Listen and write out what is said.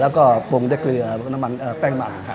แล้วก็ปรุงด้วยเกลือน้ำมันแป้งมัน